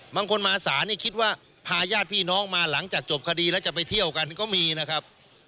บางคนมาศาลนี่คิดว่าพาญาติพี่น้องมาหลังจากจบคดีแล้วจะไปเที่ยวกันก็มีนะครับ